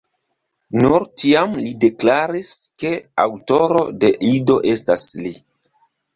Nur tiam li deklaris, ke aŭtoro de Ido estas li.